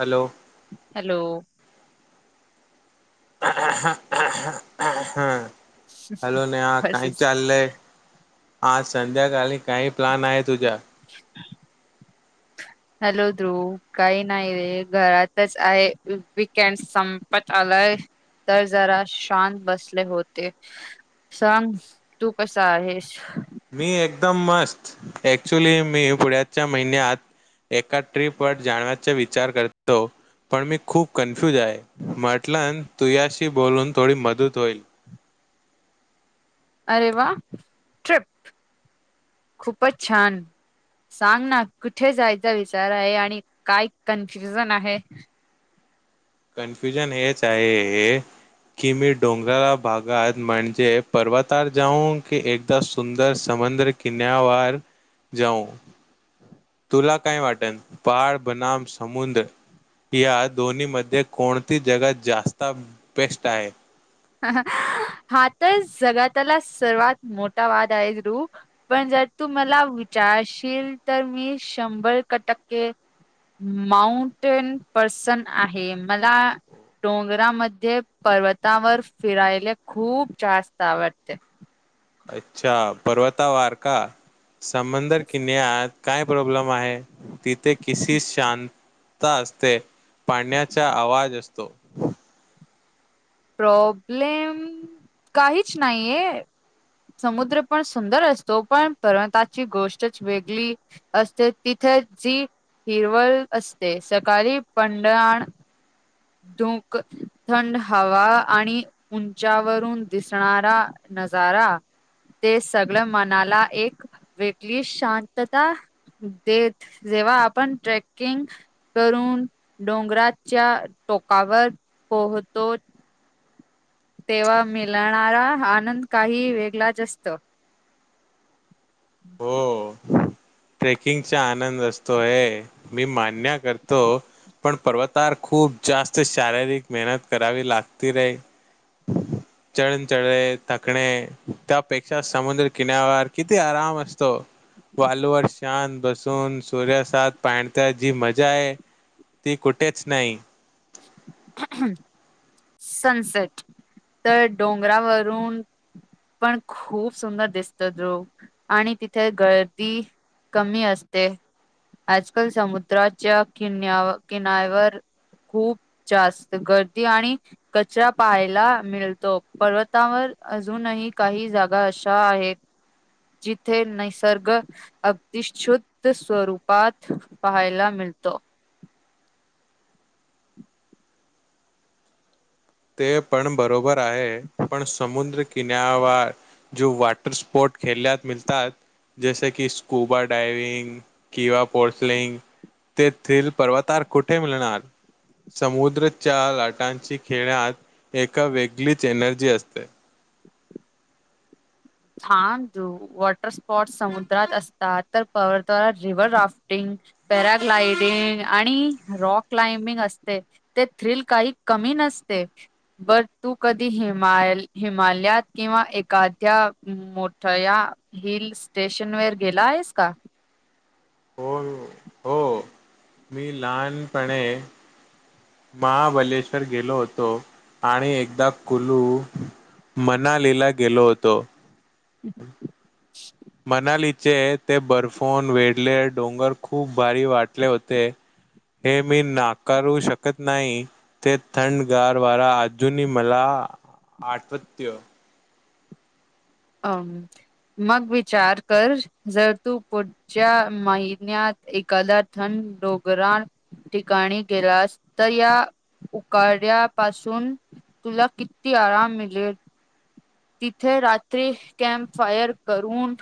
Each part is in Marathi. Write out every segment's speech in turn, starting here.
हॅलो हॅलो [inaudible] हॅलो नेहा काय बसेस. चाललय आज संध्याकाळी काही प्लान आहे तुझा [unintelligible] हॅलो ध्रुव काही नाही रे घरातच आहे वीकेंड संपत आलाय तर जरा शांत बसले होते सांग तू कसा आहेस? मी एकदम मस्त ऍक्चुली मी पुढयाच्या महिन्यात एका ट्रीपवर जाण्याचा विचार करतो. पण मी खूप कन्फ्युज आहे म्हटलंन तुयाशी बोलून थोडी मदत होईल. अरे वा ट्रिप खूपच छान सांग ना कुठे जायचा विचार आहे आणि काय कन्फ्युजन आहे? कन्फ्युजन हेच आहे हे कि मी डोंगराळा भागात म्हणजे पर्वतावर जाऊ की एकदा सुंदर सम मंदर कन्या वर जाऊ तुला काय वाटन पहाड बनाम समुद्र या दोन्ही मध्ये कोणती जगा जास्त बेस्ट आहे. हा तर जगातला सर्वात मोठा वाद आहे ध्रु पण जर तू मला विचारशील तर मी शंभर क टक्के माउंटन पर्सन आहे मला डोंगरामध्ये पर्वतावर फिरायला खूप जास्त आवडते. अच्छा पर्वतावार का समंदर किन्यात काय प्रॉब्लम आहे तिथे किसी शांत असते. पाण्याचा आवाज असतो. प्रॉब्लेम काहीच नाहीये. समुद्र पण सुंदर असतो पण पर्वताची गोष्टच वेगली असते तिथे जी हिरवल असते सकाळी पंडान लूक थंड हवा आणि उंचावरून दिसणारा नजारा ते सगळं मनाला एक वेगळी शांतता देत जेव्हा आपण ट्रेकिंग करून डोंगराच्या टोकावर पोहतो. तेव्हा मिलणारा आनंद काही वेगलाच असतो. [unintelligible] हो ट्रेकिंगचा आनंद असतो हे मी मान्य करतो. पण पर्वतावर खूप जास्त शारीरिक मेहनत करावी लागती रे [unintelligible] चळण चढले थकणे त्यापेक्षा समुद्र किन्यावर किती आराम अस स्तो वालूवर शांत बसून सूर्यासात पाणत्या जी मजा आहे. ती कुठेच नाही. [unintelligible] सनसेट तर डोंगरावरून पण खूप सुंदर दिसतो ध्रु आणि तिथे गर्दी कमी असते. आजकाल समुद्राच्या कि किनवर खूप जास्त गर्दी आणि कचरा पाहायला मिळतो पर्वतावर अजूनही काही जागा अशा आहेत जिथे निसर्ग अिशछुत स्वरूपात पहायला मिळ मिळतो ते पण बरोबर आहे पण समुद्र किना वर जो वॉटर स्पोर्ट खेळल्यात मिळतात जैसे की स्कूबा डायविंग किवा पोर्सलिंग तेथील पर्वतार कुठे मिळणार समुद्रच्या लाटांची खेळात ए वेगळीच एनर्जी असते छानू वॉटर स्पोर्ट समुद्रात असतात तर परद्ार रिव्हर राफ्टिंग ् आणिक क्ंग अस का क न बर तू कधी हिमालयात किंवा एखाद्या मोठया हिल स्टेशन वर गेला आहेस का हो हो मी लहानपणे महाबलेश्वर गेलो होतो आणि एकदा कुलू मनालीला गेलो होतो हम् मनालीचे ते बर्फून वेढले डोंगर खूप भारी वाटले होते हे मी नाकारू शकत नाही ते थंडगार वारा अजूनही मला आठवत्य ह मग विचार कर जर तू पुढच्या महिन्यात एखादा थंड डोगरा ठिकाणी गेलास तर या उकाड्या पाासून तुला किती आराम मिळेल तिथे रात्री कॅम्प फायर करून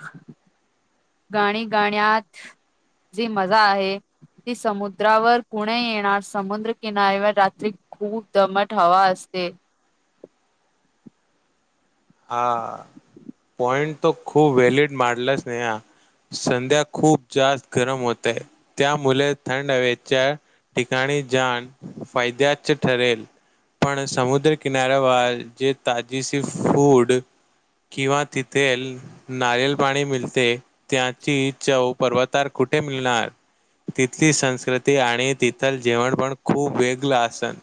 गाणी गाण्यात जी मजा आहे ती समुद्रावर कुणी येणार समुद्र किनारी्यावर रात्री खूप दमट हवा असते ते हा पॉइंट तो खूप व्हॅलिड मारलाच नाही ह संध्या खूप जास्त गरम होतय त्यामुळे थंड हवेच्या ठिकाणी जाण फायद्याच ठरेल पण समुद्रकिनाऱ्यावर जे ताजी स फूड किंवा तिथे नारल पाणी मिळते त्याची चव पर्वतार कुठे मिळणार तिथली संस्कृती आणि तिथल जेवण पण खूप वेगळ असल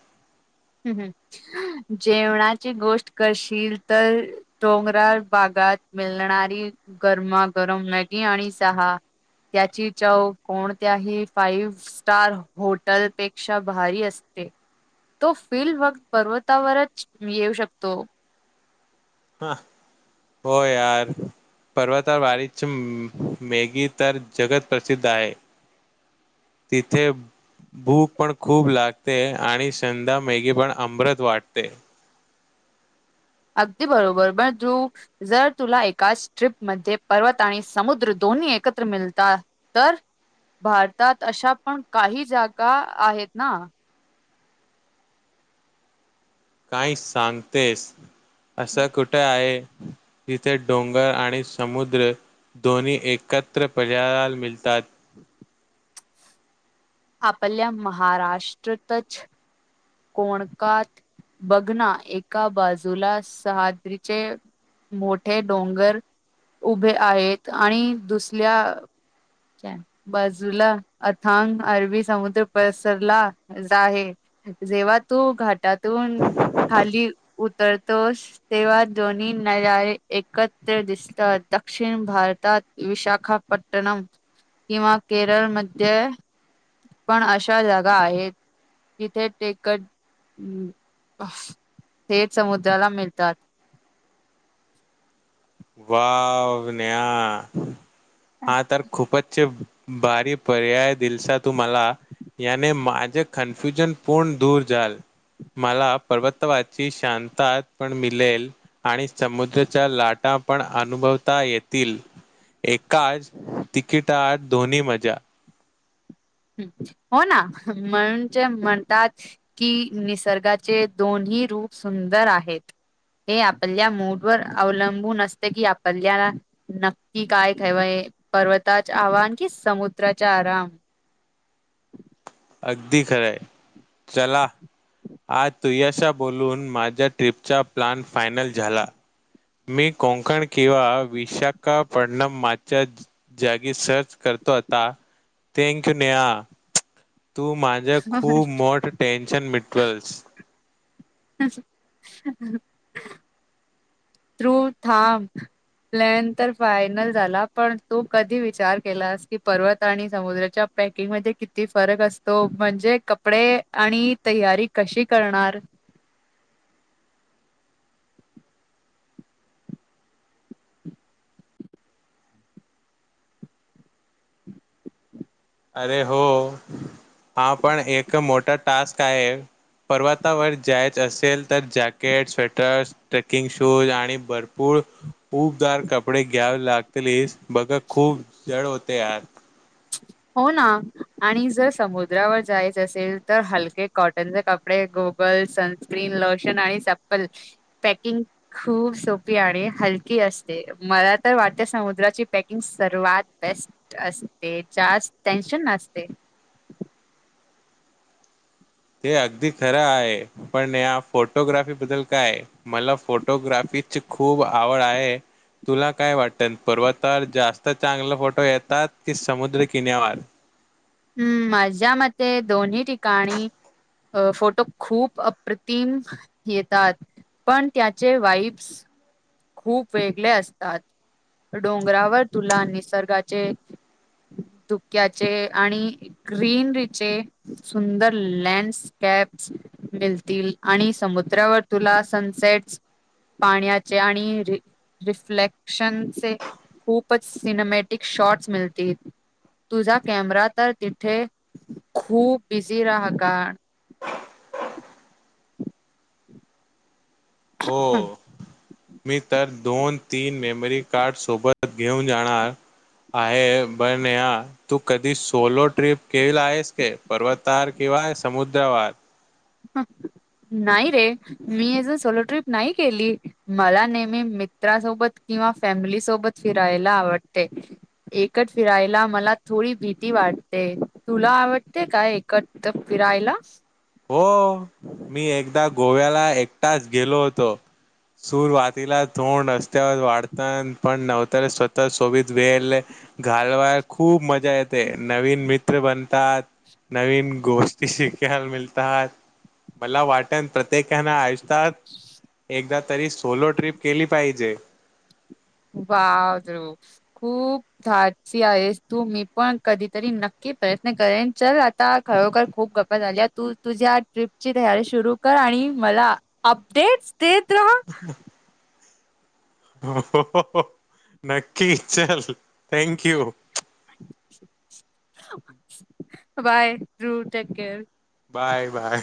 जेवणाची गोष्ट करशील तर डोंगरा बाग ात मिळणारी गरमागरम मॅगी आणि सहा त्याची चवक कोणत्याही फाईव्ह स्टार होटलपेक्षा भारी असते तो फीलल् वक् पर्वतावरच येऊ शकतो हा हो यर पर्वता वारीच मेगी तर जगत प्रसिद्ध आहे तिथे भूक पण खूप लागते आणि संधा मेगी पण अमृत वाटते [inaudible] [unintelligible] अगदी बरोबर बण तू जर तुला एकाच ट्र्रीपमध्ये पर्वत आणि समुद्र दोन कोोणी एकत्र मिळता तर भारतात अशा पण काही जागा आहेत ना काही सांगतेस असं कुठं आहे तिथे डोंगर आणि समुद्र धोनी एकत्र प्रज्याल मिळतात [unintelligible] आपपल्या महाराष्ट्रतच कोणकात बघना एका बाजूला सहाद्रीचे मोठे डोंगर उभे आहेत आणि दुसल्या बाजूला अथांग अरबी समुद्र पसरला जा आहे जेव्हा तू घाटातून खाली उतरतोस तेव्हा दोन्ही नजळे एकत्र दिसत हो दक्षिण भारतात विशाखापट्टणम किंवा केरळमध्ये पण अशा जागा आहेत जिथे टेकट थेट समुद्राला मिळतात वाव न हा तर खूपच भारी पर्याय दिलसा तूम्हाला याने माझे कन्फ्युजन पूर्ण दूर झाल मला पर्वतावाची शांत पण मिळेल आणि समुद्राच्या लाटा पण अनुभवता येतील एकाच तिकिटात दोन्ही मजा हो ना म्हणज म्हणतात की निसर्गाचे दोन ही रूप सुंदर आहेत हे आपल्या मोडवर अवलंबून असते की आपल्या नक्की काय ठेवाय पर्वताचे आव्हान कि समुद्राचा आराम अगदी खरं आहे चला आज तुयशा बोलून माझ्या ट्रिपचा प्लन फायनल झाला मी कोकण किंवा विशाखापड्णम मागच्या जागी सर्च करत ता थंक य्यू नेहा तू माझं खूप मोठ टेन्शन मिटवेलस त्रो थाब प्लॅन तर फायनल झाला पण तू कधी विचार केलास की पर्वत आणि समुद्राच्या पॅकिंग मध्ये किती फरक असतो म्हणजे कपडे आणि तयारी कशी करणार [unintelligible] अरे हो हा पण एक मोठा टास्क आहे पर्वतावर जायर असेल तर जॅकेट स्वेटर्स ट्रेकिंग शूज आणि भरपूर खूबदार कपडे घ्यावे लागतेस बघ खूप जड होते आत ह हो ना आणि जर समुद्रावर जायचं असेल तर हलके कॉटनचे कपडे गोबर कन लोशन आणि सपलकिंग खूप सोपी आणि हल अस मला तर वाटत्या समुद्राची पॅकिंग सर्वात बेस्ट असते ते जास् टेनशन ना असते ते अगदी खरं आहे पण या फोटोग्राफी बद्दल काय मला फोटोग्राफी पिच खूप आवड आहे तुला काय वाटतं पर्वतावर जास्त चांगले फोटो येतात कि समुद्र किन्यावर हम्म माझ्या मते दोन्ही ठिकाणी अ फोटो खूप अप्रतिम येतात पण त्याचे वाईब्स खूप वेगळे असतात डोंगरावर तुला निसर्गाचे ुक्याचे आणि ग्रीनरीचे सुंदर लँडस्क आणि सद्रावर तुला सनट पाण्या आणि र रिफ्लेक्शनचे खूपच सिनेमॅटिक शॉट्स मिळतील. तुझा कॅमेरा तर तिथे खूप बिझी राहा का. [inaudible] हो मी तर दोन-तीन मेमरी कार्ड सोबत, घेऊन जाणार. आहे पण यार तू कधी सोलो ट्रिप केल आहेस का पर्वतावर कि या समुद्रावर हमम नाही रे मी अस सोलो ट्रिप नाही केली, मला नेहमी मित्रासोबत, किंवा फॅमिली सोबत फिरायला आवडते. एकट फिरायला मला थोडी भीती वाटते तुला आवडते काय? एकट रायला हो मी एकदा गोव्याला एकटाच गेलो होतो. सुरवातीला थोड रस्त्यावर वाटत पण नंतर स्वतः सोबत वेळ घालवायला खूप मजा येते, नवीन मित्र बनतात नवीन गोष्टी शिकयल मिळ मला वाटण प्रत्येकाना ऐसतात एकदा तरी सोलो ट्रिप केली पाहिजे. बाप रे खूप धाडसी आहेस तू मी पण कधीतरी नक्की प्रयत्न करेन चल आता खरोखर खूप गप्पा झाल्यात तू तुझ्या ट्रीप ची तयारी सुरू कर आ आणि मला अपडेटस देत रा अह. हो, हो, हो, हो नक्की चल थँक यू. बाय रू टेक केअर. Bye bye.